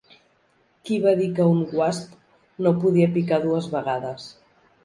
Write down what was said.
Qui va dir que un WASP no podia picar dues vegades?